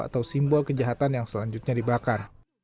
atau simbol kejahatan yang selanjutnya dibakar